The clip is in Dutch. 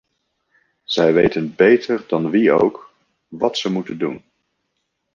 Zij weten beter dan wie ook wat ze moeten doen.